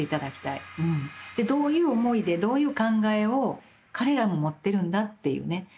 でどういう思いでどういう考えを彼らも持ってるんだっていうね。